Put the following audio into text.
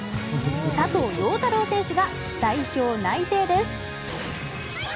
佐藤陽太郎選手が代表内定です。